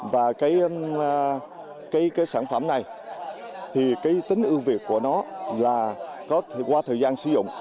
và sản phẩm này tính ưu việt của nó là qua thời gian sử dụng